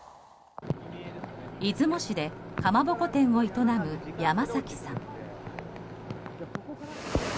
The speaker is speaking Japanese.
出雲市で、かまぼこ店を営む山崎さん。